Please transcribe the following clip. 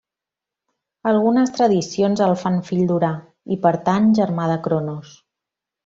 Algunes tradicions el fan fill d'Urà, i per tant, germà de Cronos.